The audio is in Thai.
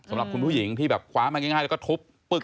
สำหรับคุณผู้หญิงที่แบบคว้ามาง่ายแล้วก็ทุบปึ๊ก